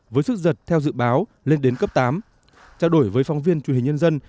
với sức giật theo dự báo lên đến cấp tám trao đổi với phóng viên truyền hình nhân dân